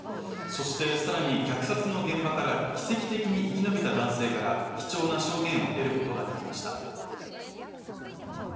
そしてさらに虐殺の現場から奇跡的に生き延びた男性から貴重な証言を得ることができました